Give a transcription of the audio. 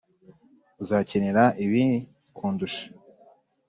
uzakenera ibi kundusha.